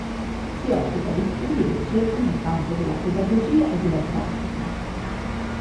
Si occupa di studi e ricerche nel campo della pedagogia e della didattica.